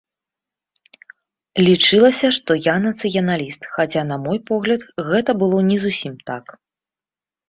Лічылася, што я нацыяналіст, хаця, на мой погляд, гэта было не зусім так.